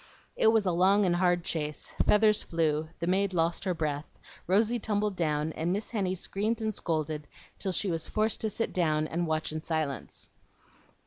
It was a long and hard chase; feathers flew, the maid lost her breath, Rosy tumbled down, and Miss Henny screamed and scolded till she was forced to sit down and watch in silence.